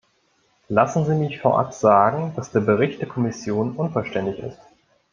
Lassen Sie mich vorab sagen, dass der Bericht der Kommission unvollständig ist.